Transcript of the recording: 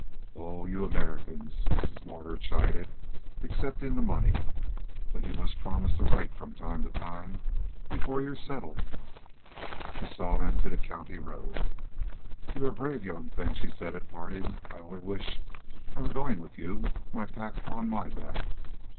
"Oh, you Americans," Mrs. Mortimer chided, accepting the money. "But you must promise to write from time to time before you're settled." She saw them to the county road. "You are brave young things," she said at parting. "I only wish I were going with you, my pack upon my back.